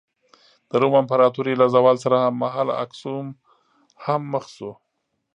د روم امپراتورۍ له زوال سره هممهاله اکسوم هم مخ شو.